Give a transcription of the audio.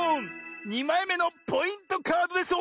２まいめのポイントカードです！